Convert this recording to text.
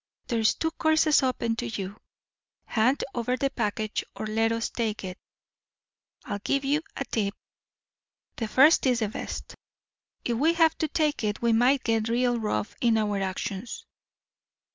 There's two courses open to you hand over the package or let us take it. I'll give you a tip the first is the best. If we have to take it, we might get real rough in our actions."